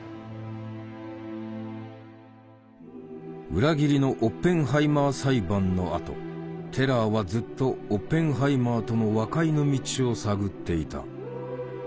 裏切りのオッペンハイマー裁判のあとテラーはずっとオッペンハイマーとの和解の道を探っていた。